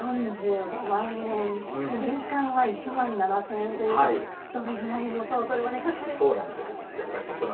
４５万円、年間は１万７０００円というと、どのぐらい元を取るまでかかるのかなって。